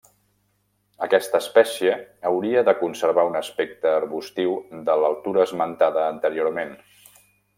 Aquesta espècie hauria de conservar un aspecte arbustiu de l'altura esmentada anteriorment.